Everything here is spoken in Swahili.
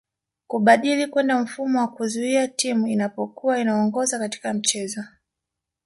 Kubadili kwenda mfumo wa kuzuia Timu inapokua inaongoza katika mchezo